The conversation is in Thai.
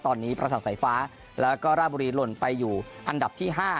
ตอนนี้ประสาทสายฟ้าแล้วก็ราบุรีหล่นไปอยู่อันดับที่๕